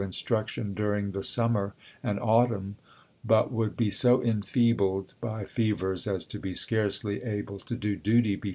i^i instruction during the summer and autumn, but would Series III., be SO enfeebled by fevers as to be scarcely able to do duty "281'.'